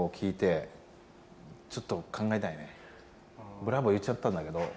ブラボー言っちゃったんだけど。